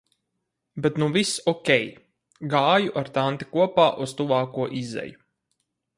Bet nu viss ok, gāju ar tanti kopā uz tuvāko izeju.